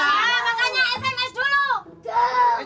ya makanya sms dulu